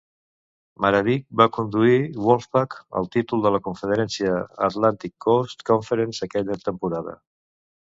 Maravich va conduir Wolfpack al títol de la conferència Atlantic Coast Conference aquella temporada.